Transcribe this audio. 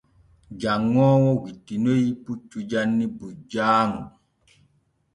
Janŋoowo wittinoy puccu janni bujjaaŋu.